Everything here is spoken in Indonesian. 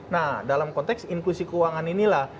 nah dalam konteks inklusi keuangan inilah